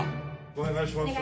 お願いします。